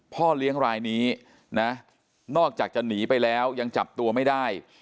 พ่อเลี้ยงรายนี้นะนอกจากจะหนีไปแล้วยังจับตัวไม่ได้